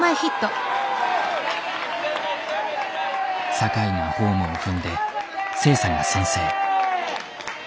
酒井がホームを踏んで星槎が先制。